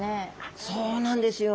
そうなんですよ。